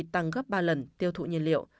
tăng gấp ba lần tiêu thụ nhiên liệu